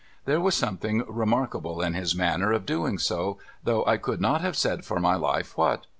There was something remarkable in his manner of doing so, though I could not have said for my life what.